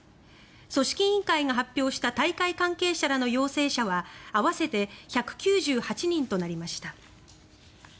組織委員会が発表した大会関係者らの陽性者は合わせて１９８人となりました。